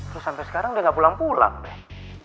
terus sampai sekarang udah gak pulang pulang deh